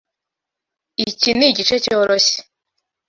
Iki nigice cyoroshye.